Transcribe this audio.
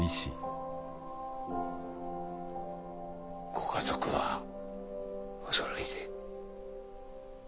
ご家族はおそろいで？